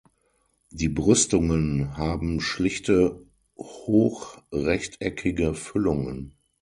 Die Brüstungen haben schlichte hochrechteckige Füllungen.